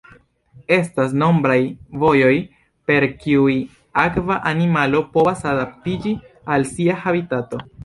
Estas nombraj vojoj per kiuj akva animalo povas adaptiĝi al sia habitato.